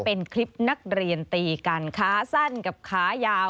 เป็นคลิปนักเรียนตีกันขาสั้นกับขายาว